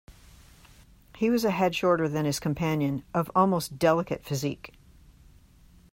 He was a head shorter than his companion, of almost delicate physique.